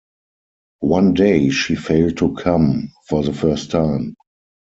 One day she failed to come, for the first time.